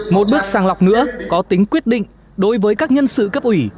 một bước sang lọc nữa có tính quyết định đối với các nhân sự cấp ủy